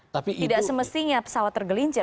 tidak semestinya pesawat tergelincir